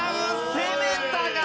攻めたが。